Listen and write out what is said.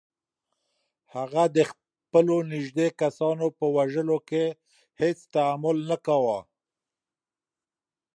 هغه د خپلو نږدې کسانو په وژلو کې هیڅ تامل نه کاوه.